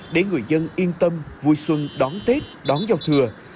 để người dân yên tâm vui xuân đón tết đón giao thừa